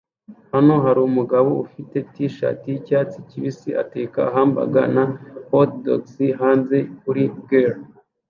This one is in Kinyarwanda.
Hano harumugabo ufite t-shirt yicyatsi kibisi ateka hamburg na hotdogs hanze kuri grill